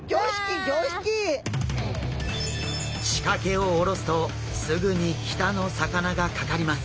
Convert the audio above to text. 仕掛けを下ろすとすぐに北の魚がかかります。